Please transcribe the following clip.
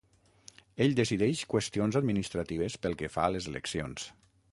Ell decideix qüestions administratives pel que fa a les eleccions.